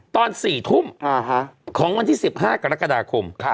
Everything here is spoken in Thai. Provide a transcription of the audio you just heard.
ตอน๔ทุ่มของวันที่๑๕กรกฎาคม